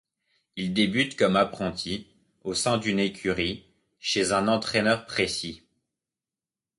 Il débute comme apprenti au sein d'une écurie chez un entraîneur précis.